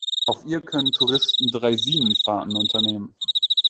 Auf ihr können Touristen Draisinen-Fahrten unternehmen.